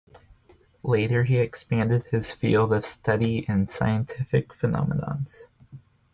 Later he expanded his field of study in scientific phenomenons.